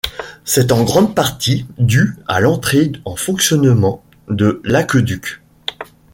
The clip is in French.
C'est en grande partie dû à l'entrée en fonctionnement de l'aqueduc.